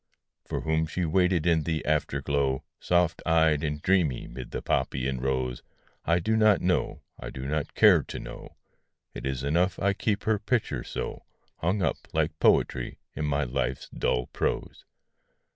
For whom she waited in the afterglow, Soft eyed and dreamy 'mid the poppy and rose, I do not know, I do not care to know: It is enough I keep her picture so, Hung up, like poetry, in my life's dull prose.